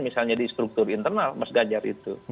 misalnya di struktur internal mas ganjar itu